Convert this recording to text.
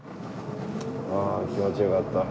ああ気持ちよかった。